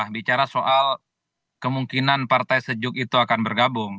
bicara soal kemungkinan partai sejuk itu akan bergabung